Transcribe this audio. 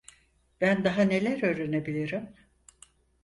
Ben daha neler öğrenebilirim!